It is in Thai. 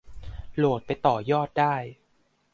โหลดไปต่อยอดได้